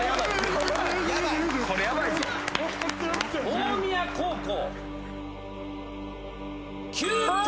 大宮高校。